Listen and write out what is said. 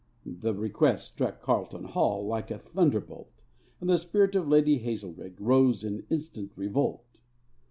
The request struck Carlton Hall like a thunderbolt, and the spirit of Lady Hazelrigg rose in instant revolt.